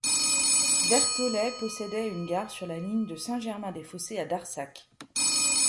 Vertolaye possédait une gare sur la ligne de Saint-Germain-des-Fossés à Darsac.